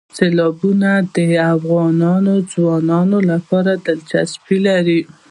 سیلابونه د افغان ځوانانو لپاره دلچسپي لري.